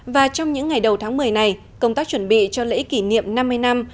và trong những ngày đầu tháng một mươi này công tác chuẩn bị cho lễ kỷ niệm năm mươi năm